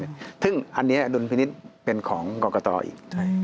อันนี้อับรุณพินิชย์เป็นของกรกตรอีก